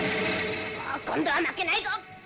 「くそ。今度は負けないぞ。